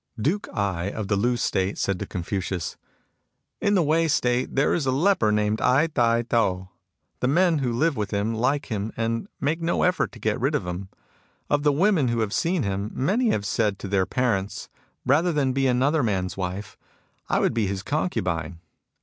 Duke Ai of the Lu State said to Confucius :" In the Wei State there is a leper named Ai Tai To. The men who live with him like him and make no effort to get rid of him. Of the women who have seen him, many have said to their parents, Rather than be another man's wife, I would be his concubine.